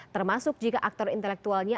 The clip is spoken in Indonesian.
termasuk jika aktor intelektualnya